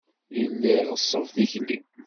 Yella iɣeṣṣeb tikli.